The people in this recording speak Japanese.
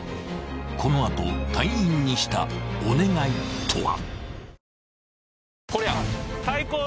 ［この後隊員にしたお願いとは］